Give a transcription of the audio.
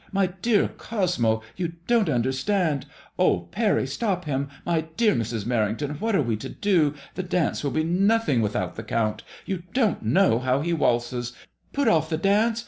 My dear Cosmo, you don't understand. Oh, Pany, stop him I My dear Mrs. Merrington, what are we to do ? The dance will be nothing without the Count. You don't know how he waltzes. Put off the dance?